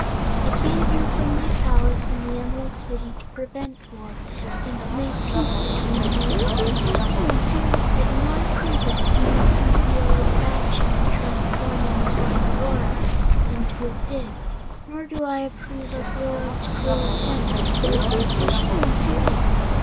I came here from my palace in the Emerald City to prevent war and to make peace between you and the Skeezers. I do not approve of Queen Coo ee oh's action in transforming your wife Rora into a pig, nor do I approve of Rora's cruel attempt to poison the fishes in the lake.